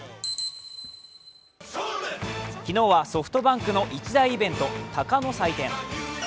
昨日はソフトバンクの一大イベント、鷹の祭典。